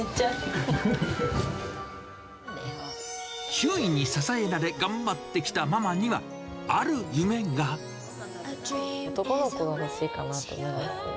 周囲に支えられ頑張ってきた男の子が欲しいかなと思います。